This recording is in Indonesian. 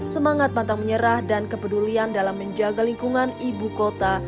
semangat pantang menyerah dan kepedulian dalam menjaga lingkungan ibu kota